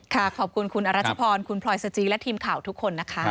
ขอบคุณคุณอรัชพรคุณพลอยสจีและทีมข่าวทุกคนนะคะ